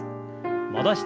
戻して。